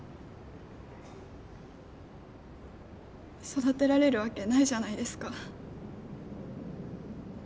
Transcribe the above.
育てられるわけないじゃないですか。